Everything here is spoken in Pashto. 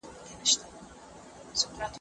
هغه څوک چي پوښتنه کوي پوهه اخلي،